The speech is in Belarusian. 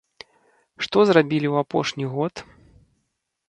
Што зрабілі ў апошні год?